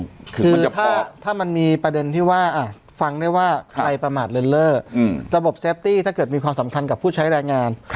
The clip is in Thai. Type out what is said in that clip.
คือถ้ามันมีประเด็นที่ว่าฟังได้ว่าใครประมาทเลินเล่อระบบเซฟตี้ถ้าเกิดมีความสำคัญกับผู้ใช้แรงงาน